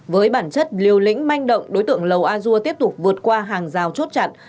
với bản chất liều lĩnh manh động đối tượng lầu a dua tiếp tục vượt qua hàng rào chốt chặn